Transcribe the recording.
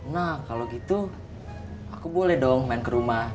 nah kalau gitu aku boleh dong main ke rumah